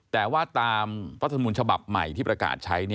แต่ว่าตามปฏิบัติธรรมณ์ฉบับใหม่ที่ประกาศใช้